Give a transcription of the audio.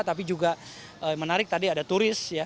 tapi juga menarik tadi ada turis ya